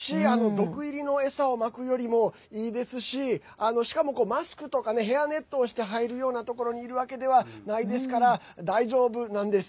ネズミがいるよりですし毒入りの餌をまくよりもいいですししかも、マスクとかヘアネットをして入るようなところにいるわけではないですから大丈夫なんです。